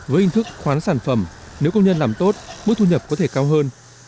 với hình thức khoán sản phẩm nếu công nhân làm tốt mức thu nhập có thể cao hơn